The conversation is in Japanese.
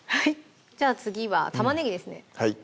じゃあ次は玉ねぎですね